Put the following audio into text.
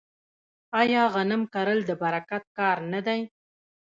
آیا غنم کرل د برکت کار نه دی؟